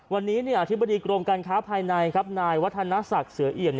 วันนี้อธิบดีกรมการค้าภายในครับนายวัฒนศักดิ์เสือเอี่ยม